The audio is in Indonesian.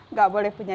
nggak boleh punya